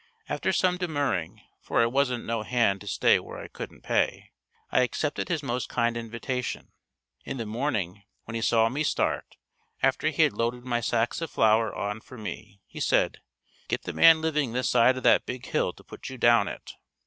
After some demurring, for I wan't no hand to stay where I couldn't pay, I accepted his most kind invitation. In the morning, when he saw me start, after he had loaded my sacks of flour on for me, he said, "Get the man living this side of that big hill to put you down it."